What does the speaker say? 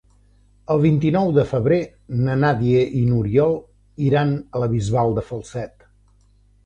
El vint-i-nou de febrer na Nàdia i n'Oriol iran a la Bisbal de Falset.